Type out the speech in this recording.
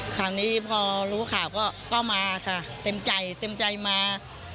คราวนี้พอรู้ข่าวก็มาค่ะเต็มใจเต็มใจมา